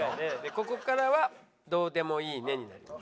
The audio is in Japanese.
ここからは「どーでもいいね」になります。